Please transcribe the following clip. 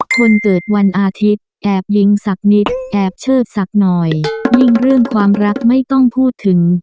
คนเกิดวันอาทิตย์แอบลิงสักนิดแอบเชิดสักหน่อยยิ่งเรื่องความรักไม่ต้องพูดถึง